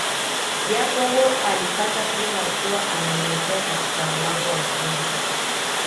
Jacob alikata simu akiwa anaelekea katika mlango wa chumba